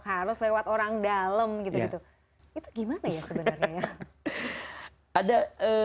harus lewat orang dalem gitu gitu